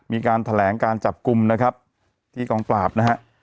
มีการแถลงการจับกลุ่มนะครับที่กองปราบนะฮะ